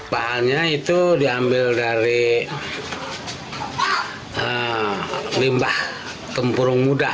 bahannya itu diambil dari limbah tempurung muda